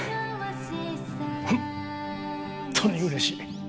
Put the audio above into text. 本当にうれしい。